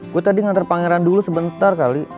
gue tadi ngantar pangeran dulu sebentar kali